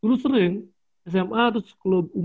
terus sering sma terus klub umum